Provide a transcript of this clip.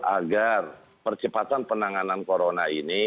agar percepatan penanganan corona ini